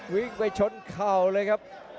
วิ่งไปชนเข่าเลยครับ